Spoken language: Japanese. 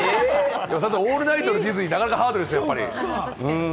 オールナイトでディズニーってなかなかハードですよ。